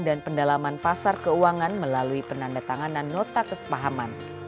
dan pendalaman pasar keuangan melalui penandatanganan nota kesepahaman